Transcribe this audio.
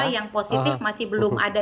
yang positif masih belum ada